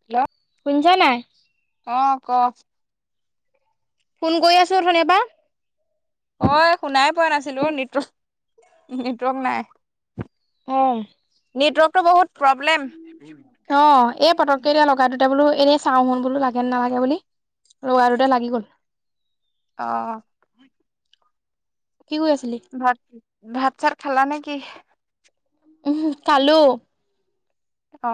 Hello ম্জা নাই [unintelligible] অ ক? ফোন গৈ আছো অথনিৰ পৰা। মই শুনাই পোৱা নাছিলো নেটৱৰ্ক-নেটৱৰ্ক নাই। উম, নেটৱৰ্কটো বহুত প্ৰব্লেম অ' এই পতকেই এতিয়া লগাই দিয়োতে বোলো। এনেই চাওঁ শুন বোলো লাগে নে নালাগে বুলি লগাই দিয়োতে লাগি গ'ল। অ' কি কৰি আছিলি? ভাত-ভাত চাত খালা নে কি? উম খালো অ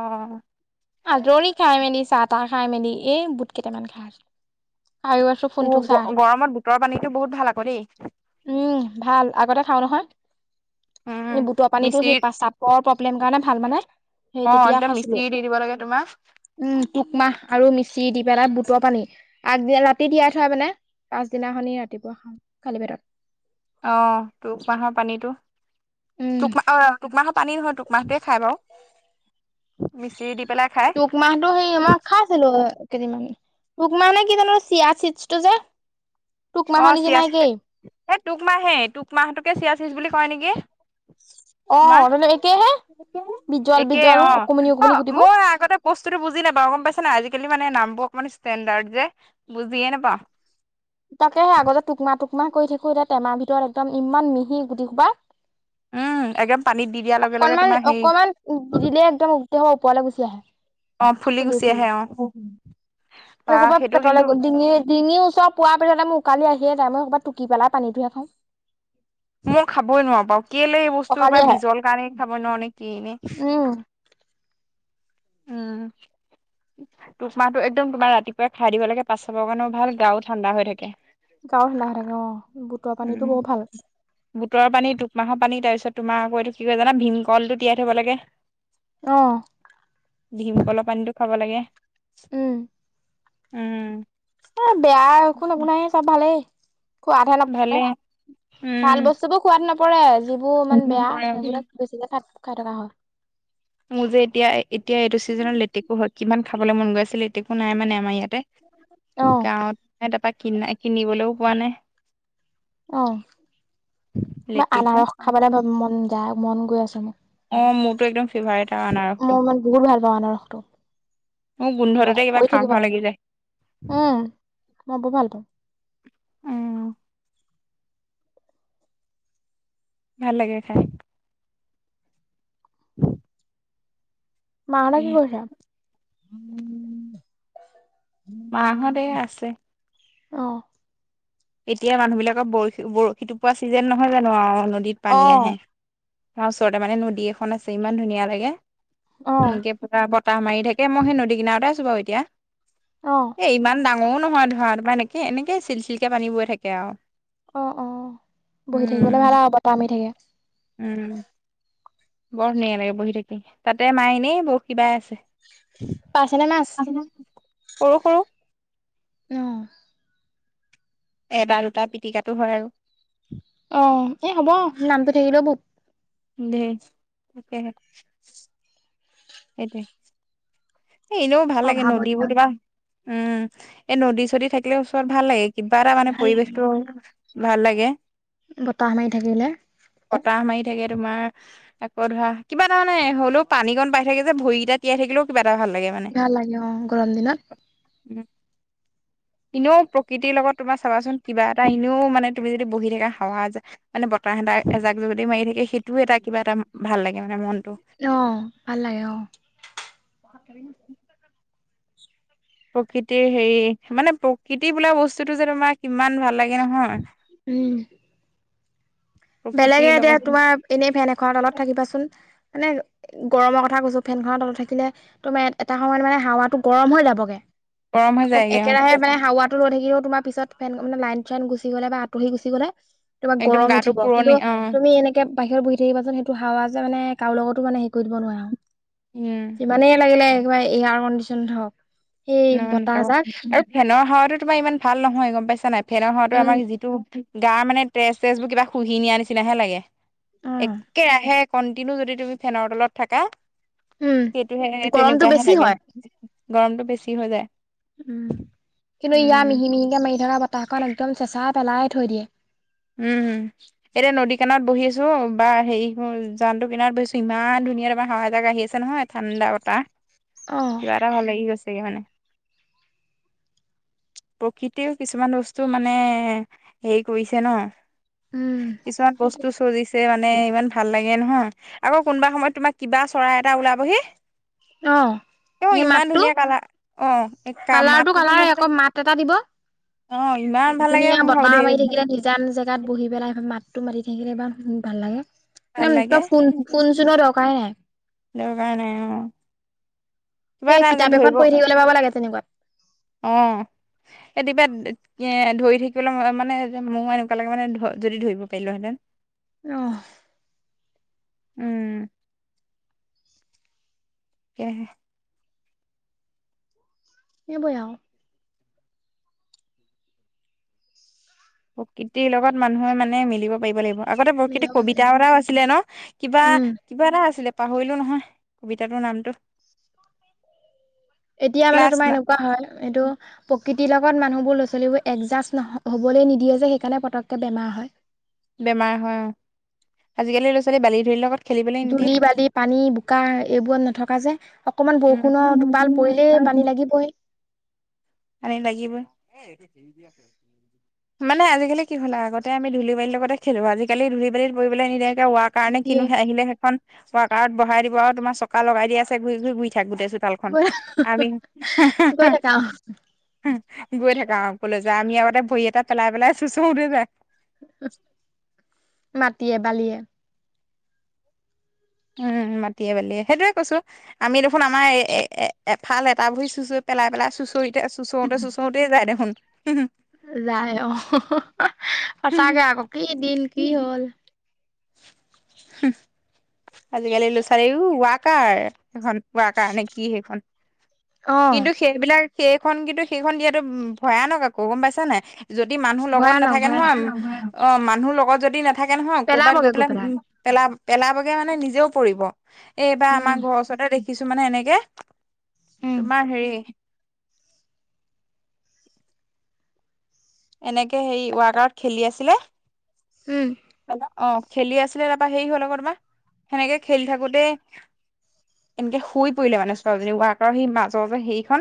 আজৰি খাই মেলি চাহ তাহ খাই মেলি এই বুট কেইটামান খাই আছো খাইও ফোনটো ওঅ চাই আছো। গৰমত বুটৰৰ পানীতো বহুত ভাল আকৌ দেই। উম ভাল আগতে খাওঁ নহয় উম বুটৰ পানীতো সেই মিচিৰিত পেচাবৰ প্ৰব্লেম কাৰণে ভাল মানে সেই অ তেতিয়া একদম খাইছিলো। মিচিৰি দি দিব লাগে তোমাৰ উম টুকমাহ আৰু মিচিৰি দি বেলাত বুটৰ পানী আগ ৰাতি তিয়াই থোৱা মানে পাছদিনাখনি ৰাতিপুৱা খাও খালি পেটত অ টুক মাহৰ পানীটো উম। টোক মাহৰ পানী নহয় টুক মাহটোৱে খাই বাৰু মিচিৰি দি পেলাই খাই টুক মাহটো সেই মই খাইছিলোঁ তিৰিঙনি টুকমাহ নে কি জানো চিয়া চিচটো যে টোক অ মাহৰ নিচিনা চিয়াচিদ একেই। এই টুকমাহে টুক মাহটোকে চিয়াচিচ বুলি কয় নিকি অ মানে একেহে বিজল একে বিজল অ অকমানি অ অকমানি গুটিবোৰ। মই আগতে বস্তুতো বুজি নাই বাৰু গম পাইছা নাই আজিকালি মানে নাম বোৰ মানে ষ্টেণ্ডাৰ্ড যে বুজিয়ে নাপাওঁ। তাকে সে আগতে টুকমা টুকমা কৰি থাকো এতিয়া টেমাৰ ভিতৰত একদম ইমান মিহি গুটি সোপা উম একদম পানীত দি দিয়াৰ [inaudible] লগে লগে অকণমান তোমাৰ হেৰি অকমান গিলিলে একদম গোটেই সোপা ওপৰলে গুচি আহে অ ফুলি গুচি আহে অ বা সেই সোপা সেইটো কিন্তু পেটৰলৈ গ'ল ডিঙি ডিঙিৰ ওচৰ পোৱাৰ পিছতে মোৰ উকালি আহিয়ে যায় ক'বাত টুকি পেলাই পানীটোহে খাওঁ মই খাবই নোৱাৰো বাও কেলে এই বস্তুৰ উকালি পোৰা আহে বীজল কাৰণে খাবই নোৱাৰো নে কিয়ে নে উম উম টুক মাহটো একদম তোমাৰ ৰাতিপুৱাই খাই দিব লাগে পাঁচ, ছবাৰ কাৰণে ভাল গাও ঠাণ্ডা হৈ থাকে। গাও ঠাণ্ডা হৈ থাকে অ বুটুৰ উম পানীতো বহুত ভাল বুটৰ পানী, টুক মাহৰ পানী, তাৰপিছত তোমাৰ আকৌ এইটো কিহয় জানা ভীমকলটো তিয়াই থব লাগে। অ ভীমকল পানীটো খাব লাগে, উম। উম। এ বেয়া একো নোগোন্ধাই চব ভালেই সোৱাদহে নপৰে, ভালে ভাল উম বস্তু বোৰ সোৱাদ নপ পৰে যিবোৰ ইমান বেয়া পৰে সেইবোনে বেছিকে খাই খাই থকা হয়। মোৰ যে এতিয়া এতিয়া এইটো ছিজনত লেটেকু হয় কিমান খাবলে মন গৈ আছিলে একো নাই মানে আমাৰ ইয়াতে। অ গাঁৱত নাই তাপা কিনা কিনিবলৈও পোৱা নাই অ বা লেটেকু আনাৰস খাবলে মন যায় মন গৈ আছে মো অ মোৰতো একদম ফিভাৰেট মই মান বহুত ভাল পাওঁ আনাৰসটো মোৰ গোন্ধটোতে ৰস কিবা পৰি খাওঁ থাকিব খাওঁ লাগি যায় লাগে। উম মই বৰ ভাল পাওঁ উম ভাল লাগে খাই [inaudible] মাহঁতে কি খাই কৰিছে? [inaudible] [unintelligible] মা হত এ আছে। অ'। এতিয়া মানুহবিলাকৰ বৰশী বৰশী টোপোৱা চিজনে নহয় জানো আৰু নদীত অ পানী আহে। আমাৰ ওচৰতে মানে নদী এখন আছে ইমান ধুনীয়া লাগে অ এনেকে পতাপত বতাহ মাৰি থাকে, মই সেই নদী কিনাৰতে আছো বাৰু এতিয়া অ এ! ইমান ডাঙৰ ৰো নহয় ধৰা ত বা এনেকে, এনেকে চিল- চিল কে পানী বৈ থাকে আৰু অ', অ' বহি থাকিবলৈ উম ভাল আৰু বতাহ মাৰি থাকে। উ'ম, বৰ ধুনীয়া লাগে বহি থাকি তাতে মায় এনে বৰশী বাই আছে। পাইছেনে মাছ? সৰু, সৰু। অ'হ। এটা, দুটা পিটিকাটো হয় আৰু অ', এ! হ'ব নামটো থাকিলেও বুক। দেই, সেয়েহে। সেইটোৱে। এ! এনেও ভাল লাগে, অভাৱত নদীবোৰ দিনত কিবা উ'ম, এ! নদী- চদী থাকিলে ওচৰত ভাল লাগে। কিবা এটা মানে ভাল লাগে পৰিবেশটো ভাল লাগে। বতাহ মাৰি থাকিলে। বতাহ মাৰি থাকে তোমাৰ আকৌ ধৰা কিবা তাৰানে হ'লেও পানী গন পাই থাকে যে ভৰিকেইটা তিয়াই থাকিলেও কিবা এটা ভাল লাগে মানে ভাল লাগে। অ', গৰম দিনত। উ'ম। [unintelligible] এনেও প্ৰকৃতিৰ লগত তোমাৰ চাবাচোন কিবা এটা এনেও মানে তুমি যদি বহি থাকা হাৱা এজাক, মানে বতাহ এজাক জগদি মাৰি থাকে সেই তটো এটা কিবা এটা ভাল লাগে, মানে মনটো। অ ভাল লাগে অ প্ৰকৃতিৰ হেৰি মানে প্ৰকৃতি বোলা বস্তুটো যে তোমাৰ কিমান ভাল লাগে নহয়। উ'ম। বেলেগে প্ৰকৃতিৰ এতিয়া লগত তোমাৰ এনেই ফেন এখন তলত থাকিবাচোন। মানে গৰমৰ কথা কৈছো, ফেনখননৰ তলত থাকিলে তো মে এটা সময়ত মানে হাৱাটো গৰম হৈ যাবগে। গৰম হৈ আকৌ যায়গে অ একেৰাহে মানে হাৱাটো ৰৈ থাকি। তোমাৰ পিছত ফেন মানে, লাইন চাইন গুচি গলে বা আঁৰি গুচি গ'লে। তোমাক একদম গৰম গাটো উঠিব কিন্তু পুৰণি অ তুমি এনেকে বাহিৰত বহি থাকিবাচোন সেইটো হাৱা যে মানে কাৰো লগতো মানে হেৰি কৰি দিব নোৱাৰে আৰু উম যিমানেই লাগিলে একিবাৰে এয়াৰ কণ্ডিশন নাথাকক। নহ নাপাব আৰু ফেনৰ হাৱাটো তোমাৰ ইমান ভাল নহয় গম পাইছা নাই? ফেনৰ হতো উম আমাৰ যিটো গা মানে তেজ, তেজ বোৰ কিবা শুহি নিয়া নিচিনাহে লাগে। অ একেৰাহে কন্টিনিউ যদি তুমি ফেনৰ তলত থাকা। উম সেইটোহে গৰমটো তেনেকুৱাহে বেছি লাগে হয় গৰমতটো বেছি হৈ যায়। উ'ম, কিন্তু ইয়াৰ মিহি উম মিহিকে মাৰি থকা বতাহখন একদম চেঁচাই পেলাই থৈ দিয়ে। উ'ম, হম এতিয়া নদী কানত বহিছো বা হেৰি জানু কিনাত বহিছো ইমান ধুনীয়া তোমাৰ সহায় এজাক আহি আছে নহয়। ঠাণ্ডা বতাহ কিবা এটা হ'লে কিবা গৈছেগে মানে। [unintelligible] প্ৰকৃতিও কিছুমান বস্তু মানে হেৰি কৰিছে। ন উম, কিছুমান সেইটোৱে। বস্তু চজিছে মানে। মানে ইমান ভাল লাগে নহয় আকৌ কোনোবা সময়ত তোমাক কিবা চৰাই এটা ওলাবহি। অ', অ', সেই ইমান মাতটো ধুনীয়া কালাৰ, অ'। কালাৰটো মাতটোতো কালাৰে মাত্ৰ আকৌ মাত এটা দিব, অ ইমান ভাল লাগে ধুনীয়া মোৰ ভাবো বতাহ দেই মাৰি থাকিলে নিজে। টান জেগাত বহি পেলাই মাতটো মাতি থাকিলে বা ভাল লাগে। ভাল ম' লাগে ত' ফোন, ফোন-চনৰ দৰকাৰে নাই। সেইটো কাৰণে অ কিবা এই এটা কিতাপ এখন পঢ়ি থাকিবলে পাব লাগে তেনেকুৱাত। অহ। এতিপাত এ ধৰি থাকিবলৈ ম মানে যে‌ মোৰ এনেকুৱা লাগে মানে ধ, যদি ধৰিব পাৰিলোঁ হেঁতেন। অহ। উম। এ। এইবোৰে আৰু। প্ৰকৃতিৰ লগত মানুহে মানে মিলিব পাৰিব লাগিব। আগতে প্ৰকৃতিক মিলিয়াব কৰিব লাগিব কবিতাও আছিলে ন, কিবা উম, কিবা এটা আছিলে পাহৰিলোঁ নহয়, কবিতাটোৰ নামটো। এতিয়া মানে ক্লাছ তোমাৰ না এনেকুৱা হয়, এইটো প- কৃতিৰ লগত মানুহবোৰ, ল'ৰা-ছোৱালীবোৰ এডজাষ্ট নহ হ'বলৈ নিদিয়ে যে, সেইকাৰণে পটককে বেমাৰ হয়। বেমাৰ হয় অ'। আজিকালি ল'ৰা-ছোৱালী বালি-ধূলিৰ লগত- খেলিবলৈ ধূলি, বালি, পানী, বোকা এইবোৰত নথকা যে। আ- উম। [unintelligible] লাগিবই পানী লাগিবই। [unintelligible] [unintelligible] মানে আজিকালি কি হ'ল, আগতে আমি ধূলি-বালিৰ লগতে খেলোঁ। আজিকালি ধূলি-বালিত পৰিবলৈ নিদিয়ে। এ' ৱাকাৰ নে কিনো নিদিয়ে হে' আহিলে সেইখন। ৱাকাৰত বহাই দিব আৰু তোমাক চকা লগাই দি আছে, ঘূৰি ঘূৰি ঘূৰি থাক গোটাই চোতালখন। গৈ আমি গৈ থাকা অ গৈ থাকা আও কলৈ যায়। আমি আগতে ভৰি এটা পেলাই পেলাই চোঁচৰুতে যায়। মাটিয়ে-বালিয়ে। উম, মাটিয়ে-বালিয়ে, সেইটোৱে কৈছোঁ, আমি দেখোন আমাৰ এ-এ-এফাল এটা ভৰি চোঁচ পেলাই পেলাই, চোঁচৰিতে-চোঁচওঁতে চোঁচোওঁতেই যায় দেখোন যায় অ', সঁচাকে আকৌ, কি দিন কি হ'ল। আজিকালি ল'ৰা-ছোৱালী উ ৱাকাৰ সেইখন। ৱাকাৰ নে কি সেইখন, অ কিন্তু সেইবিলাক সেইখন কিন্তু সেইখন দিয়াতো ভয়ানক আকৌ, গম পাইছানে নাই? যদি মানুহ লগত ভয়ানক নাথাকে ভয়ানক নহয়, অ' মানুহ লগত যদি নাথা থাকে নহয়, ক'ৰবাত গৈ পেলাই উম পেলা-পেলাবগে মানে নিজেও পৰিব। এইবাৰ উম আমাৰ ঘৰৰ ওচৰতে দেখিছোঁ মানে এনেকে উম তোমাৰ হেৰি এনেকে হেৰি, ৱাকাৰত খেলি আছিলে উম। অ', খেলি আছিলে তাৰপৰা হেৰি হ'ল আকৌ তোমাৰ, সেনেকে খেলি থাকোঁতেই এনেকে সৰি পৰিলে মানে ছোৱালীজনী, ৱাকাৰৰ সেই মাজৰ যে হেৰিখন।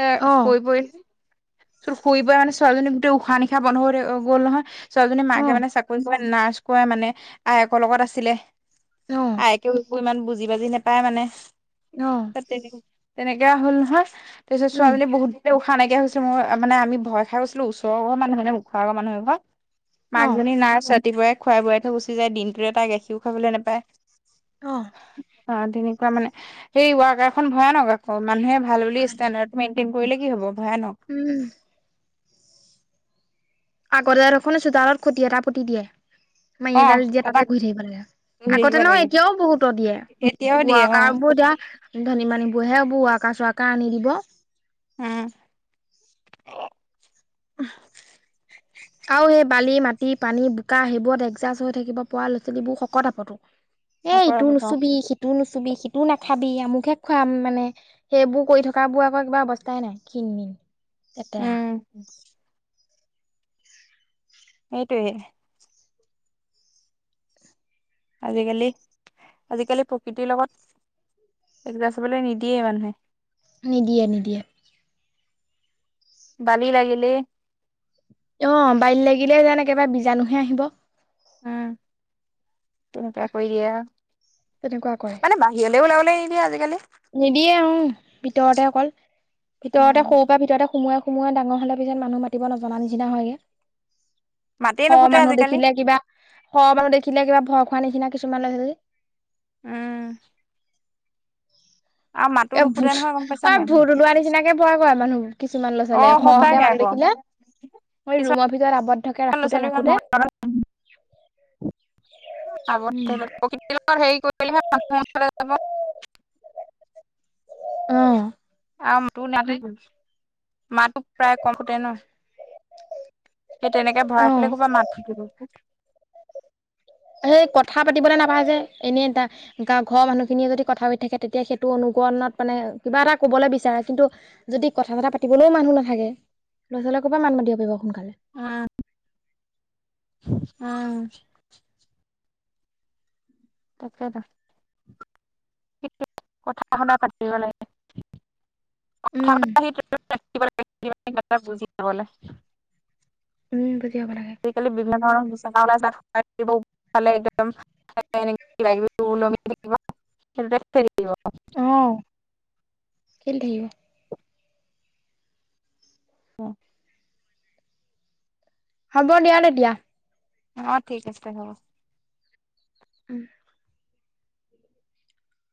এ অ সৰি পৰি তাৰপিছত সৰি পৰি মানে ছোৱালীজনী গোটেই উশাহ-নিশাহ বন্ধ হৈ থা-অ' গ'ল নহয়, ছোৱালীজনীৰ অ মাকে মানে চাকৰি কৰে নাৰ্ছ কৰে মানে, আয়েকৰ লগত আছিলে, অ আয়েকেও এইবোৰ ইমান বুজ বুজি-বাজি নেপায় মানে, অ তাত তেনে-তেনেকুৱা হ'ল নহয় তাৰপিছত উম ছোৱালীজনী বহুত উশাহ নাইকিয়া হৈ গৈছিল, মই-অ' মানে আমি ভয় খাই গৈছিলোঁ, ওচৰৰ ঘৰৰ মানুহ মানে মুখৰ আগৰ মানুহ এঘৰৰ। অ মাকজনী নাৰ্ছ, ৰাতিপুৱাই খোৱাই-বোৱাই থৈ গুচি যায়, দিনটোলে তাই গাখীৰো খাবলৈ নাপায়। অ'। অ', তেনেকুৱা মানে, সেই ৱাকাৰখন ভয়ানক আকৌ, মানুহে ভাল বুলি ষ্টেন্দাৰ্দটো মেইনটেইন কৰিলে কি হ'ব ভয়ানক উম। আগতে দেখোন চোতালত খুতি এটা পুতি দিয়ে। মাৰী অ এডাল দিয়ে, তাতে তাৰপা ঘূৰি থাকিব লাগে। পুহি আগতে থাকিব নহয়, লাগে এতিয়াও বহুত দিয়ে। এতিয়াও দিয়ে অ ৱকাৰবোৰ দিয়া ধনী মানুহবোৰহে, এবোৰ ৱাকাৰ-চোৱাক আনি দিব। উম। ই পানী, বোকা সেইবোৰত এডজাষ্ট হৈ থাকিব পৰা ল'ৰা-ছোৱালীবোৰ শকত-আবতো। এ! ইটো অপৰাপত নুচুবি সিটোও নুচুবি। চুবি সিটো নাখাবি, আমুকে খুৱাম মানে সেইবোৰ কৰি থকাবোৰ আকৌ কিবা অৱস্থাই নাই ক্ষীণ মিন। কেতেহা। উম সেইটোৱে। আজিকালি, আজিকালি প্ৰকৃতিৰ লগত। একজাত চাবলৈ নিদিয়েই মানুহে। নিদিয়ে নিদিয়ে। ভালি লাগিলে অ বালি লাগিলে যেন একেবাৰে বিজাণুহে আহিব। উম তেনেকুৱা কৰি দিয়া আৰু তেনেকুৱা কৰে। মানে বাহিৰলৈ ওলাবলৈ এৰি দিয়ে আজিকালি নিদিয়ে অ ভিতৰতে অকল উম ভিতৰতে সৰু পৰা ভিতৰতে সোমোৱাই সোমোৱাই ডাঙৰ হ'লে পিছত মানুহ মাতিব নজনা নিচিনা হয়গৈ মাটিয়ে শ নুফুতে মানুহ আজিকালি দেখিলে কিবা শ মানুহ দেখিলে কিবা ভয় খখোৱা নিচিনা কিছুমান লৈ যে উম, আৰু মাতো এ নুফুতে ভূত নহয় গম পাইছা অ, নাই ভূত ওলোৱা নিচিনাকে বয় কৰে মানুহ কিছুমান ল'ৰা অ ছোৱালীয়ে এ শকে সঁচাকে মানুহ আকৌ দেখিলে। মই ৰুমৰ ভিতৰত আৱত ল চলি [unintelligible] কৰি [unintelligible] অ', আৰু তোৰ নাথাক মাতটো প্ৰায় কমতে ন [unintelligible] তেনেকে অ ভৰাই থলে কৰবাতুাকিব [unintelligible] সেই কথা পাতিবলৈ নাপায় যে এনেই এটা গা ঘৰৰ মানুহখিনিয়ে যদি কথা পাতি থাকে তেতিয়া সেইটো অনু ণত মানে কিবা এটা কবলৈ বিচাৰে কিন্তু যদি কথা বটা পাতিবলৈও মানুহ নাথাকে। লৰা ছোৱাল কৰব মাতি পাৰিব। সোনকালে আহ, উম। তাকে ন কথা শুনা পাতিব লাগে। উম থা বুজ উম, পাব লাগে সেইিকালি বিভিন্ন ধৰণৰ মুচা উলাইছে। [unintelligible] অহ, খেলি থাকিব। অ', হ'ব দিয় তেতিয়া। অ, ঠিক আছে হ'ব। উম,